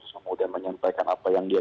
kemudian menyampaikan apa yang dia